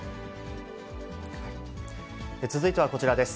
続いてはこちらです。